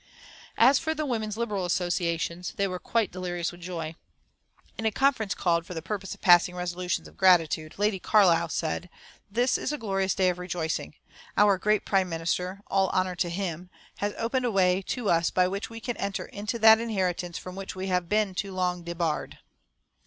As for the women's Liberal Associations, they were quite delirious with joy. In a conference called for the purpose of passing resolutions of gratitude, Lady Carlisle said: "This is a glorious day of rejoicing. Our great Prime Minister, all honour to him, has opened a way to us by which we can enter into that inheritance from which we have been too long debarred."